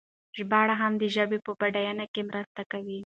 ژباړې هم د ژبې په بډاینه کې مرسته کوي.